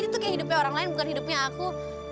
ini tuh kayak hidupnya orang lain bukan hidupnya aku